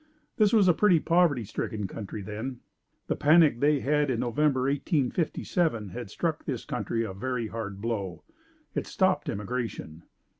This was a pretty poverty stricken country then. The panic they had in November 1857 had struck this country a very hard blow. It stopped immigration.